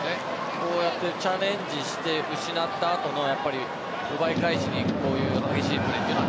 こうやってチャレンジして失った後も奪い返しに行く激しいプレーは。